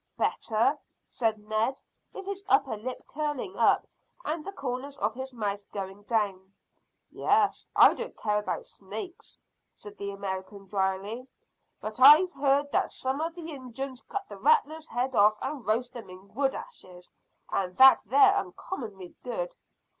"Better!" said Ned, with his upper lip curling up and the corners of his mouth going down. "Yes; I don't care about snake," said the American dryly, "but I hev heard that some of the Injuns cut the rattlers' heads off and roast them in wood ashes, and that they're uncommonly good."